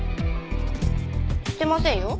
してませんよ。